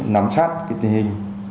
nắm sát tình hình